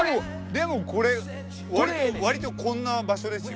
でもこれわりとこんな場所ですよ。